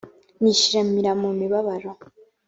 nishimira mu mibabaro